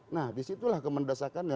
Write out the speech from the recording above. nah disitulah kemendesakannya